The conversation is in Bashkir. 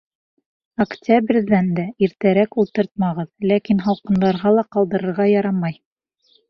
Октябрҙән дә иртәрәк ултыртмағыҙ, ләкин һалҡындарға ла ҡалдырырға ярамай.